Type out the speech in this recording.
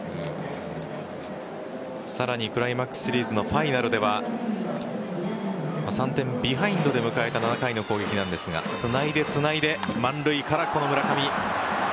さらにクライマックスシリーズのファイナルでは３点ビハインドで迎えた７回の攻撃なんですがつないでつないで満塁からこの村上。